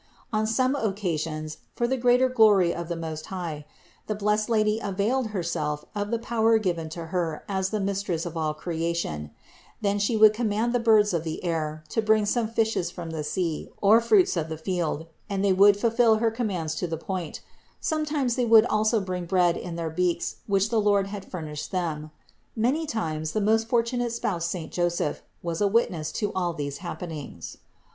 On some occasions, for the greater glory of 358 CITY OF GOD the Most High, the blessed Lady availed Herself of the power given to Her as the Mistress of all creation; then She would command the birds of the air to bring some fishes from the sea, or fruits of the field, and they would fulfill her commands to the point ; sometimes they would bring also bread in their beaks, which the Lord had fur nished them. Many times the most fortunate spouse saint Joseph was a witness to all these happenings.